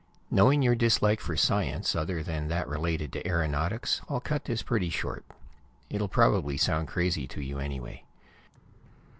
Knowing your dislike for science other than that related to aeronautics, I'll cut this pretty short. It'll probably sound crazy to you, anyway.